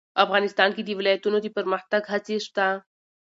افغانستان کې د ولایتونو د پرمختګ هڅې شته.